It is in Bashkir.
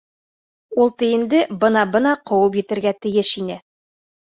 Ул тейенде бына-бына ҡыуып етергә тейеш ине.